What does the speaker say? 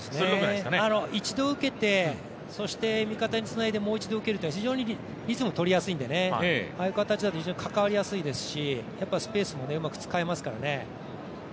一度受けて、味方につないでもう一度受けるというのは非常にリズムを取りやすいので、ああいう形だと関わりやすいですしスペースもうまく使えますからね。